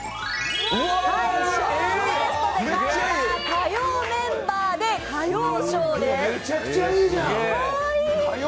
昭和テイストで描いた「火曜メンバーで歌謡ショー」です。